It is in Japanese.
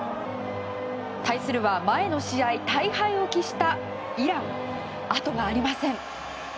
対するは前の試合、大敗を喫したイラン、後がありません。